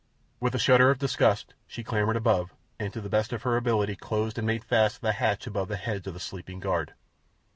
With a shudder of disgust she clambered above, and to the best of her ability closed and made fast the hatch above the heads of the sleeping guard.